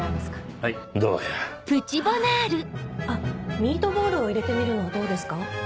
あっミートボールを入れてみるのはどうですか？